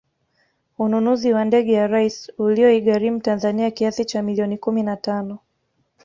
Ununuzi wa ndege ya Rais ulioigharimu Tanzania kiasi cha milioni kumi na tano